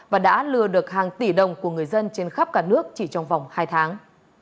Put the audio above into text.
và đã lừa được hàng tỷ đồng của người dân trên khắp cả nước chỉ trong vòng hai tháng